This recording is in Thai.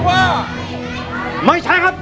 ตกลงว่าไม่ใช้ครับ